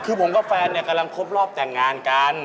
คือผมก็แฟนกำลังพบรอบแต่งงานกัน